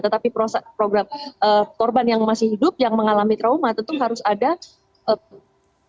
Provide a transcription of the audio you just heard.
tetapi korban yang masih hidup yang mengalami trauma tentu harus ada proses yang dilakukan